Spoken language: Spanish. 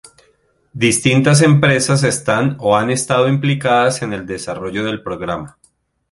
Distintas empresas están o han estado implicadas en el desarrollo del programa.